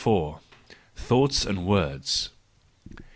Thoughts and Words.